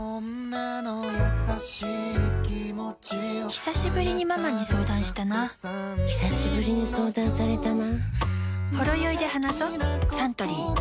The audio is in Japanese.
ひさしぶりにママに相談したなひさしぶりに相談されたな